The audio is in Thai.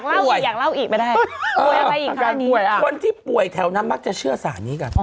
เล่าอีกอยากเล่าอีกไม่ได้ป่วยอะไรอีกคนที่ป่วยแถวนั้นมักจะเชื่อสารนี้กัน